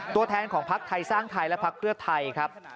ตัวแทนของพักไทยสร้างไทยและพักเพื่อไทยครับ